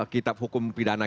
kitab hukum pidana